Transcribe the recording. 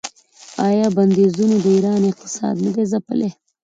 آیا بندیزونو د ایران اقتصاد نه دی ځپلی؟